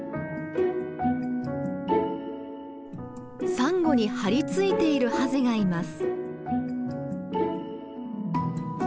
サンゴに張り付いているハゼがいます。